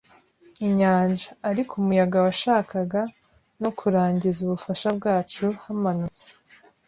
inyanja. Ariko umuyaga washakaga; no kurangiza ubufasha bwacu, hamanutse